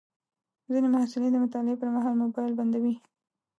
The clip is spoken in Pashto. ځینې محصلین د مطالعې پر مهال موبایل بندوي.